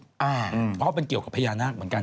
เพราะมันเกี่ยวกับพญานาคเหมือนกัน